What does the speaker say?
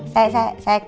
saya kesana sekarang